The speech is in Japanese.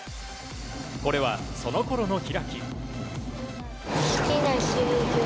これは、そのころの開。